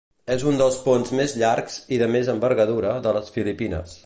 És un dels ponts més llargs i de més envergadura de les Filipines.